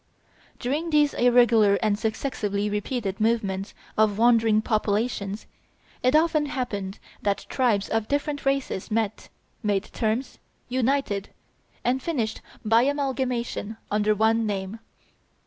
During these irregular and successively repeated movements of wandering populations, it often happened that tribes of different races met, made terms, united, and finished by amalgamation under one name.